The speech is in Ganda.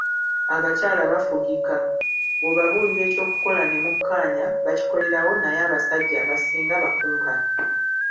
Abakyala bafugika, bw’obabuulira ekyokukola ne mukkaanya bakikolerawo naye abasajja abasinga bakumpanya.